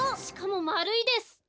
しかもまるいです！